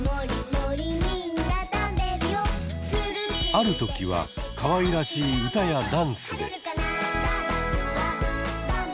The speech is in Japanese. ある時はかわいらしい歌やダンスで。